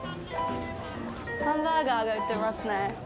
ハンバーガーが売ってますね。